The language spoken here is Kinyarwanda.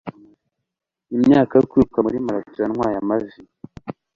Imyaka yo kwiruka muri marato yantwaye amavi.